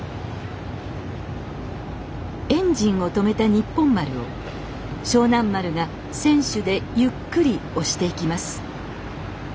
エンジンを止めたにっぽん丸を勝南丸が船首でゆっくり押していきます